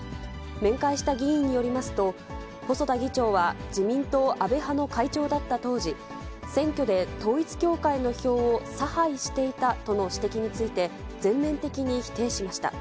面会した議員によりますと、細田議長は、自民党安倍派の会長だった当時、選挙で統一教会の票を差配していたとの指摘について、全面的に否定しました。